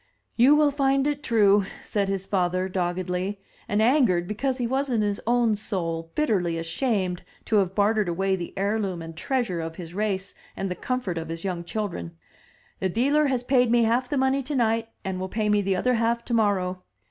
"You will find it true," said his father, doggedly, and angered because he was in his own soul bitterly ashamed to have bartered away the heirloom and treasure of his race and the comfort of his young children. "The dealer has paid me half the money tonight, and will pay me the other half tomorrow.